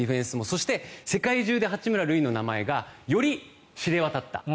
そして、世界中で八村塁の名前がより知れ渡った。